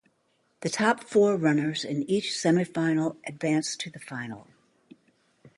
The top four runners in each semifinal advanced to the final.